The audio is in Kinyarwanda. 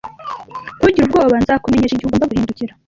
Ntugire ubwoba. Nzakumenyesha igihe ugomba guhindukira